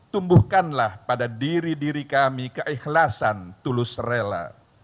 tumbuhkanlah pada diri diri kami keikhlasan tulus rela